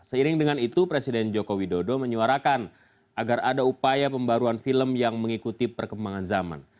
seiring dengan itu presiden joko widodo menyuarakan agar ada upaya pembaruan film yang mengikuti perkembangan zaman